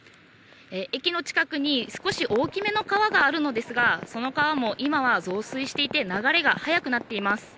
駅の近くに少し大きめの川があるのですが、その川も今は増水していて、流れが速くなっています。